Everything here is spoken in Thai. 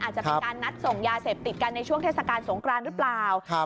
อาจจะเป็นการนัดส่งยาเสพติดกันในช่วงเทศกาลสงครานหรือเปล่า